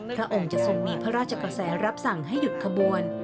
พระองค์จะทรงมีพระราชกระแสรับสั่งให้หยุดขบวน